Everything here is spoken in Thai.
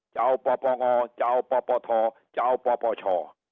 จะเอาปปงจะเอาปปทจะเอาปปช